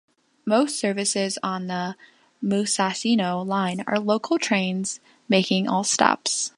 Most services on the Musashino Line are local trains making all stops.